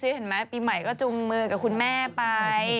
เห็นไหมปีใหม่ก็จุงมือกับคุณแม่ไป